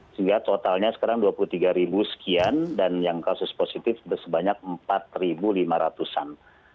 sehingga totalnya sekarang dua puluh tiga sekian dan yang kasus positif sebanyak empat lima ratus an